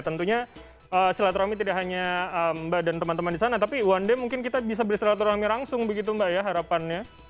tentunya silaturahmi tidak hanya mbak dan teman teman di sana tapi one day mungkin kita bisa bersilaturahmi langsung begitu mbak ya harapannya